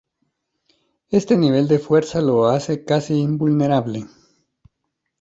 Este nivel de fuerza le hace casi invulnerable.